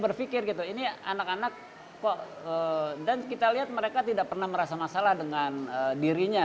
berpikir gitu ini anak anak kok dan kita lihat mereka tidak pernah merasa masalah dengan dirinya